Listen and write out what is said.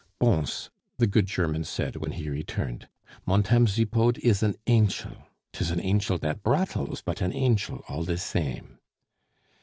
"Bons," the good German said when he returned "Montame Zipod is an anchel; 'tis an anchel dat brattles, but an anchel all der same."